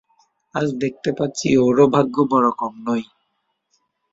আজ দেখতে পাচ্ছি ওরও ভাগ্য বড়ো কম নয়।